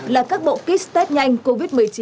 là các bộ kit test nhanh covid một mươi chín